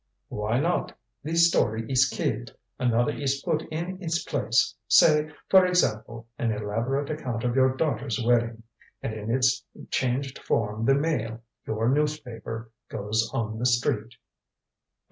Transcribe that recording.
"Why not? The story is killed. Another is put in its place say, for example, an elaborate account of your daughter's wedding. And in its changed form the Mail your newspaper goes on the street."